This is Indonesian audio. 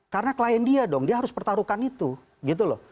karena klien dia dong dia harus pertaruhkan itu